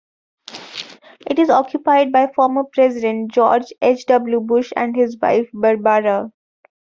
It is occupied by former President George H. W. Bush and his wife Barbara.